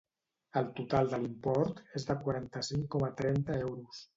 El total de l'import és de quaranta-cinc coma trenta euros.